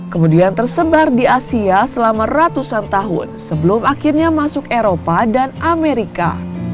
kemudian tersebar di asia selama ratusan tahun sebelum akhirnya masuk eropa dan amerika